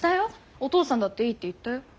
お父さんだっていいって言ったよ。